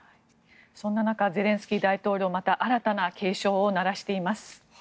そんな中ゼレンスキー大統領また新たな警鐘を鳴らしています。